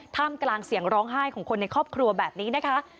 ท่ามกลางเสียงร้องไห้ของคนในครอบครัวแบบนี้นะคะ